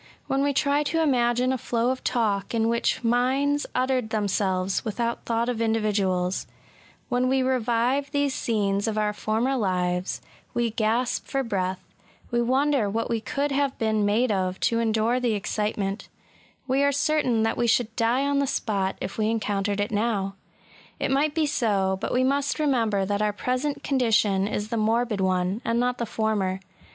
When we try to imagine a flow of talk in which minds uttered themselves without thought of individuals ;— when we revive these scenes of our former lives, we gasp for breath, — ^we wonder what we could have been made of to endure the excitement; — we are certain that we should die on the spot if we encountered it now. It might be so: but we must remember that our present condition is the morbid one, and not the former.